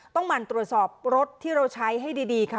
หมั่นตรวจสอบรถที่เราใช้ให้ดีค่ะ